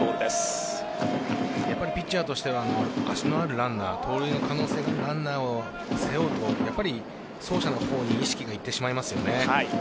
ピッチャーとしては足のあるランナー盗塁の可能性があるランナーを背負うと走者の方に意識がいってしまいますよね。